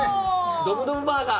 ドムドムバーガー！